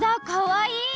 かわいい！